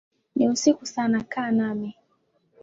Ni usiku sana kaa nami